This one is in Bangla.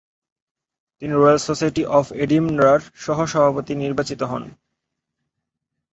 তিনি রয়াল সোসাইটি অব এডিনবরা'র সহ-সভাপতি নির্বাচিত হন।